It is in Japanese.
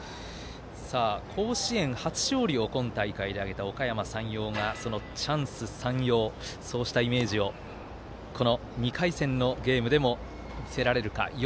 甲子園初勝利を今大会で挙げた、おかやま山陽がその「チャンス山陽」そうしたイメージを２回戦のゲームでも見せられるか。